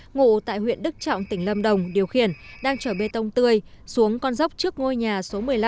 ngụ tại huyện đức trọng tỉnh lâm đồng điều khiển đang chở bê tông tươi xuống con dốc trước ngôi nhà số một mươi năm